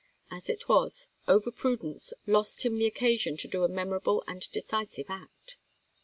As it was, overprudence lost him the occasion to do a memorable and decisive act.